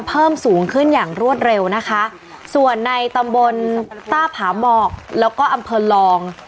เพิ่มสูงขึ้นอย่างรวดเร็วนะคะส่วนในตำบลต้าผาหมอกแล้วก็อำเภอลอง